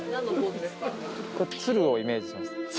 鶴をイメージしました。